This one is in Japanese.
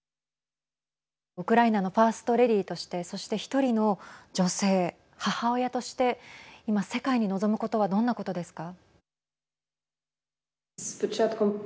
ウクライナのファースト・レディーとしてそして１人の女性母親として今、世界に望むことはどんなことですか。